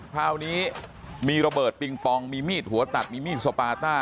คราวนี้มีระเบิดปิงปองมีมีดหัวตัดมีมีดสปาต้า